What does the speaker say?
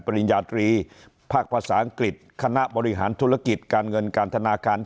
ปริญญาตรีภาคภาษาอังกฤษคณะบริหารธุรกิจการเงินการธนาคาร